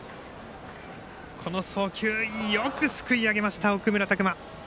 この送球よくすくい上げました奥村拓真。